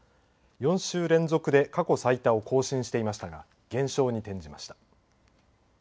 ４週連続で過去最多を更新していましたが減少に転じました。